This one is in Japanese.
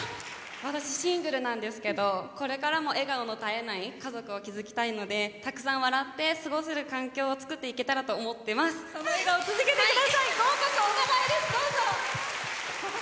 私、シングルなんですけどこれからも笑顔の絶えない家族を築きたいのでたくさん笑って過ごせる環境をつくっていけたらとお名前です、どうぞ。